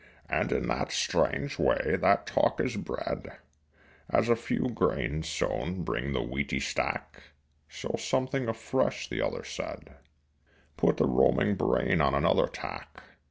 And in that strange way that talk is bred As a few grains sown bring the wheaty stack So something afresh the other said Put the roaming brain on another tack.